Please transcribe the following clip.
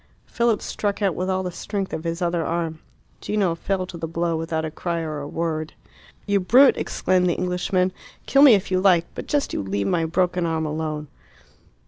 Philip struck out with all the strength of his other arm. Gino fell to the blow without a cry or a word. "You brute!" exclaimed the Englishman. "Kill me if you like! But just you leave my broken arm alone."